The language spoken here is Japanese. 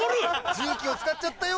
重機を使っちゃったよ。